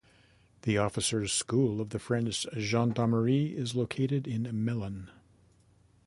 The officers' school of the French Gendarmerie is located in Melun.